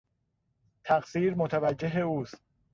تقصیر متوجهی اوست.